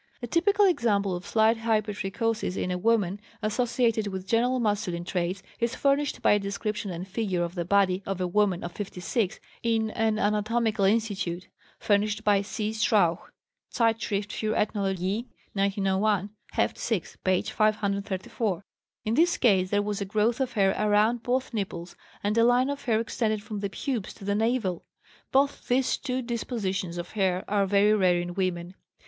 A typical example of slight hypertrichosis in a woman associated with general masculine traits is furnished by a description and figure of the body of a woman of 56 in an anatomical institute, furnished by C. Strauch (Zeitschrift für Ethnologie, 1901, Heft 6, p. 534). In this case there was a growth of hair around both nipples and a line of hair extended from the pubes to the navel; both these two dispositions of hair are very rare in women.